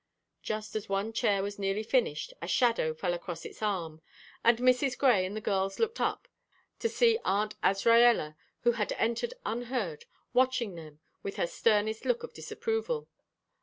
Just as one chair was nearly finished a shadow fell across its arm, and Mrs. Grey and the girls looked up to see Aunt Azraella, who had entered unheard, watching them with her sternest look of disapproval.